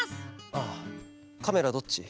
ああカメラどっち？